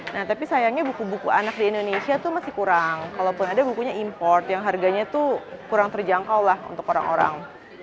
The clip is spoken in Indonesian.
nah tapi sayangnya buku buku anak di indonesia tuh masih kurang kalaupun ada bukunya import yang harganya tuh kurang terjangkau lah untuk orang orang